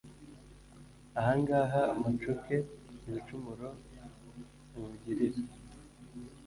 Ahangaha mpacuke ibicumuro nkugilira